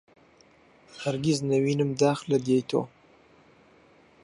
هەرگیز نەوینم داخ لە دییەی تۆ